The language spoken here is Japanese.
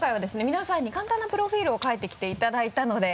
皆さんに簡単なプロフィルを書いてきていただいたので。